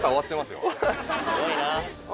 すごいなあ。